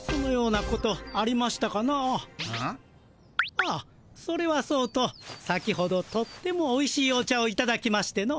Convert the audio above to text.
あっそれはそうと先ほどとってもおいしいお茶をいただきましての。